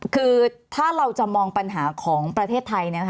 คือถ้าเราจะมองปัญหาของประเทศไทย